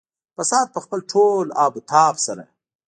فساد په خپل ټول آب او تاب سره.